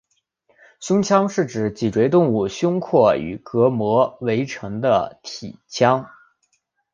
胸腔是指脊椎动物胸廓与膈围成的体腔。